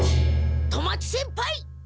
富松先輩！